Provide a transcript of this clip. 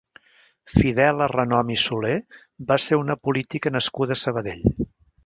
Fidela Renom i Soler va ser una política nascuda a Sabadell.